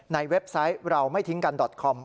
เว็บไซต์เราไม่ทิ้งกันดอตคอม